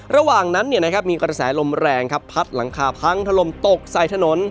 ระหว่างนั้นเนี่ยนะครับมีกระแสลมแรงครับพัดหลังคาพังทะลมตกใส่ถนน